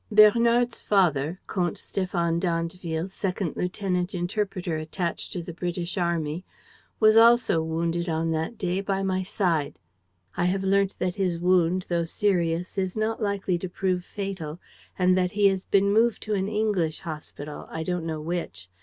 "Bernard's father, Comte Stéphane d'Andeville, second lieutenant interpreter attached to the British army, was also wounded on that day by my side. I have learnt that his wound, though serious, is not likely to prove fatal and that he has been moved to an English hospital, I don't know which.